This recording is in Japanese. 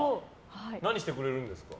何してくれるんですか？